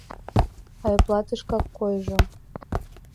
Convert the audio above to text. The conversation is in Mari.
— Айплатышкак койжо.